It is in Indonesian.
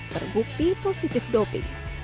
terbukti positif doping